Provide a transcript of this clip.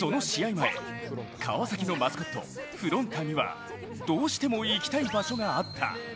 前、川崎のマスコット、ふろん太にはどうしても行きたい場所があった。